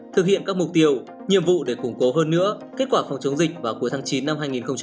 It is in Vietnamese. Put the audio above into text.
thực hiện các mục tiêu nhiệm vụ để củng cố hơn nữa kết quả phòng chống dịch vào cuối tháng chín năm hai nghìn hai mươi